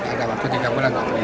ada waktu tiga bulan